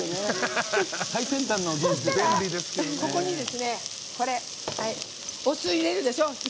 ここにお酢、入れるでしょ。